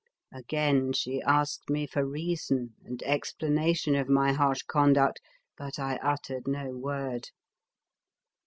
Again she asked me for reason and explanation of my harsh conduct, but I uttered no word.